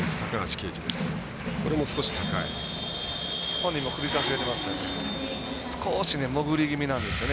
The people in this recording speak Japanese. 本人も首かしげてますよね。